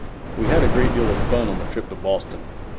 We had a great deal of fun on the trip to Boston.